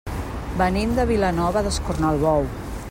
Venim de Vilanova d'Escornalbou.